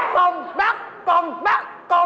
กล่องเบิ่ก